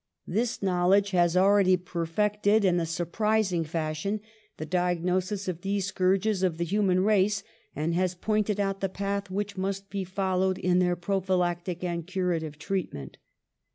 'This knowledge has already perfected in a surprising fashion the diagnosis of these scourges of the human race, and has pointed out the path which must be followed in their prophylactic and curative treatment.